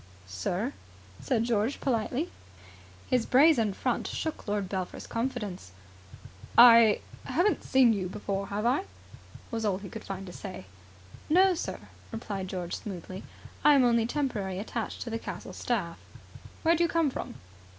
"Sir?" said George politely. His brazen front shook Lord Belpher's confidence. "I haven't seen you before here, have I?" was all he could find to say. "No, sir," replied George smoothly. "I am only temporarily attached to the castle staff." "Where do you come from?"